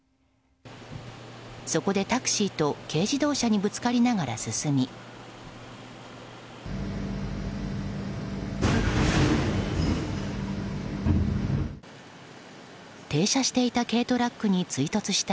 そこでタクシーと軽自動車にぶつかりながら進み停車していた軽トラックに追突した